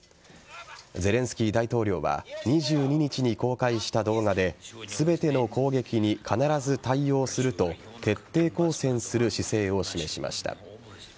ゼレンスキー大統領は２２日に公開した動画で全ての攻撃に必ず対応すると徹底抗戦する姿勢を示しました。